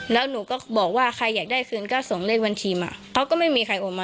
แล้วหนูก็บอกว่าใครอยากได้คืนก็ส่งเลขบัญชีมาเขาก็ไม่มีใครออกมา